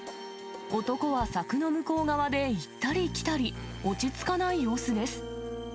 男は柵の向こう側で行ったり来たり、落ち着かない様子です。